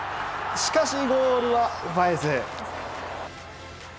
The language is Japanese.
しかし、ゴールは奪えず。